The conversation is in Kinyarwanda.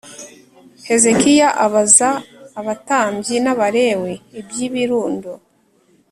Hezekiya abaza abatambyi n Abalewi iby ibirundo